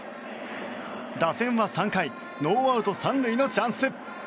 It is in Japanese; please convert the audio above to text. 打線は３回ノーアウト３塁のチャンス。